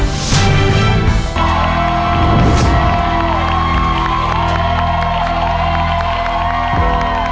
สวัสดีครับ